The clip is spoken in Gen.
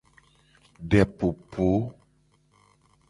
Depopo.